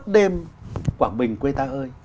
đêm quảng bình quê ta ơi